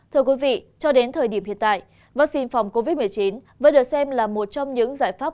thưa quý vị cho đến thời điểm hiện tại vaccine phòng covid một mươi chín vẫn được xem là một trong những giải pháp